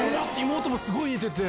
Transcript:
妹もすごい出て。